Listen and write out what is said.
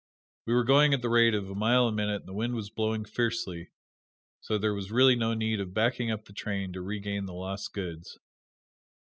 We were going at the rate of a mile a minute and the wind was blowing fiercely, so there was really no need of backing up the train to regain the lost goods.